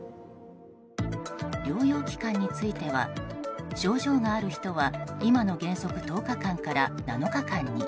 療養期間については症状がある人は今の原則１０日間から７日間に。